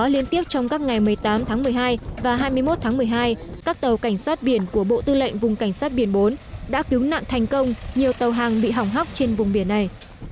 liên tiếp trong các ngày một mươi tám tháng một mươi hai và hai mươi một tháng một mươi hai các tàu cảnh sát biển của bộ tư lệnh vùng cảnh sát biển bốn đã cứu nạn thành công nhiều tàu hàng bị hỏng hóc trên vùng biển này